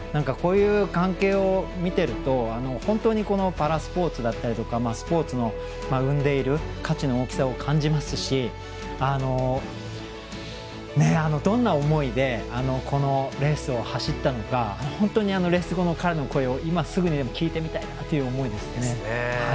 こういう関係を見てると本当にパラスポーツだったりとかスポーツの生んでいる価値の大きさを感じますしどんな思いで、このレースを走ったのか本当にレース後の彼の声を今すぐにでも聞いてみたいなという思いですね。